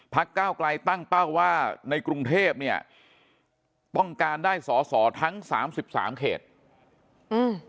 ก้าวไกลตั้งเป้าว่าในกรุงเทพเนี่ยต้องการได้สอสอทั้งสามสิบสามเขตอืม